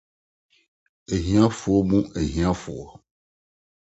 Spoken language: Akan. Ahiafo mu Ahiafo